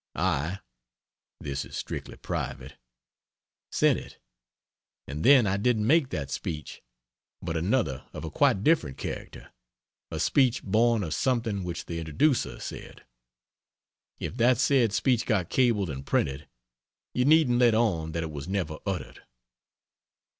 I (this is strictly private) sent it. And then I didn't make that speech, but another of a quite different character a speech born of something which the introducer said. If that said speech got cabled and printed, you needn't let on that it was never uttered.